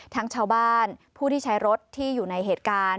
ชาวบ้านผู้ที่ใช้รถที่อยู่ในเหตุการณ์